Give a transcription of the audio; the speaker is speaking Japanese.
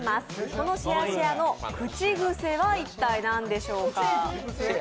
このシェアシェアの口癖は一体何でしょうか？